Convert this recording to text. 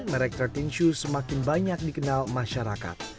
merek tiga belas shoes semakin banyak dikenal masyarakat